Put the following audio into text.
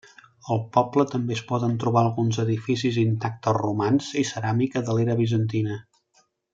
Al poble també es poden trobar alguns edificis intactes romans i ceràmica de l'era bizantina.